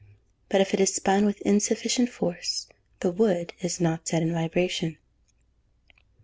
But if it be spun with insufficient force, the wood is not set in vibration.